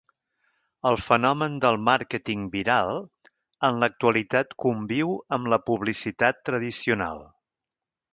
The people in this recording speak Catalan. El fenomen del màrqueting viral en l’actualitat conviu amb la publicitat tradicional.